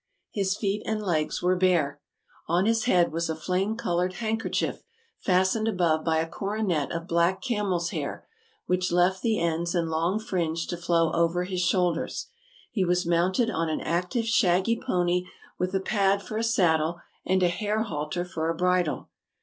His feet and legs were bare. On his head was a flame colored handkerchief, fastened above by a coronet of black camel's hair, which left the ends and long fringe to flow over his shoulders. He was mounted on an active, shaggy pony, with a pad for a saddle and a hair halter for a bridle.